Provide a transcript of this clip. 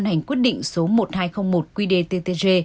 đoàn hành quyết định số một nghìn hai trăm linh một quy đề ttg